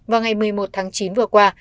vào ngày một mươi một tháng chín vừa qua